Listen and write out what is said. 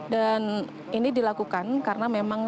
dan ini dilakukan karena memang